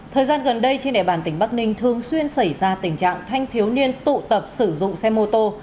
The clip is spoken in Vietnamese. thời gian gần đây trên địa bàn tỉnh bắc ninh thường xuyên xảy ra tình trạng thanh thiếu niên tụ tập sử dụng xe mô tô